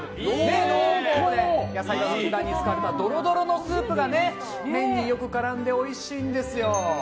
濃厚で野菜がふんだんに使われたどろどろのスープが麺によく絡んでおいしいんですよ。